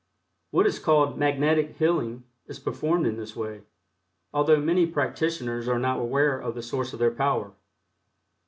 What is called "magnetic healing" is performed in this way, although many practitioners are not aware of the source of their power.